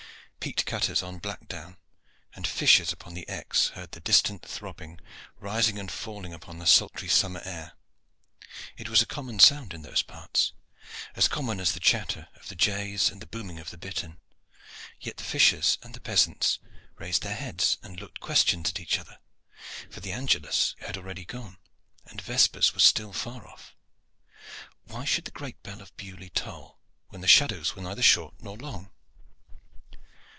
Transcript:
Peat cutters on Blackdown and fishers upon the Exe heard the distant throbbing rising and falling upon the sultry summer air. It was a common sound in those parts as common as the chatter of the jays and the booming of the bittern. Yet the fishers and the peasants raised their heads and looked questions at each other, for the angelus had already gone and vespers was still far off. Why should the great bell of Beaulieu toll when the shadows were neither short nor long?